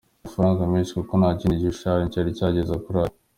Ni amafaranga menshi kuko ntakindi gishushanyo cyari cyageza kuri aya.